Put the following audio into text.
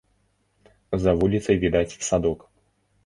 За вуліцай відаць садок.